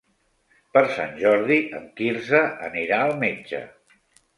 Per Sant Jordi en Quirze anirà al metge.